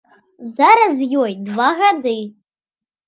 Зараз ёй два гады.